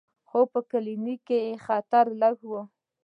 خو په کلینیک کې خطر لږ و.